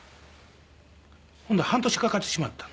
ほんなら半年かかってしまった。